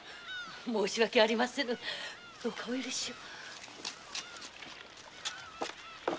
申し訳ありませぬどうかお許しを。